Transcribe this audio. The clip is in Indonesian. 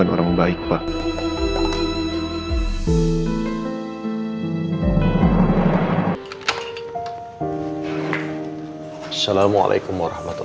assalamualaikum warahmatullahi wabarakatuh